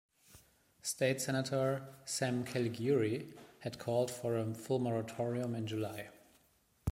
State Senator Sam Caligiuri had called for a full moratorium in July.